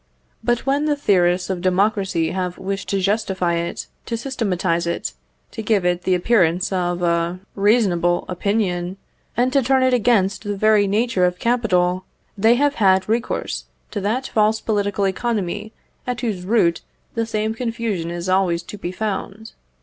But when the theorists of democracy have wished to justify it, to systematize it, to give it the appearance of a reasonable opinion, and to turn it against the very nature of capital, they have had recourse to that false political economy at whose root the same confusion is always to be found.